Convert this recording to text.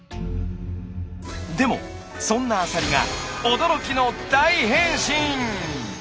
でもそんなアサリが驚きの大変身！